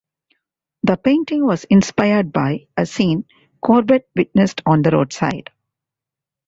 The painting was inspired by a scene Courbet witnessed on the roadside.